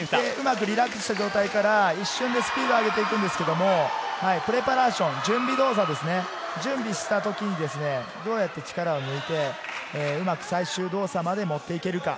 リラックスした状態から一瞬でスピードを上げていくんですけど、プレパラーション、準備した時にどうやって力を抜いて、うまく最終動作まで持っていくか。